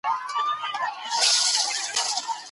ما پخوا دا ډول ږغ نه و اورېدلی.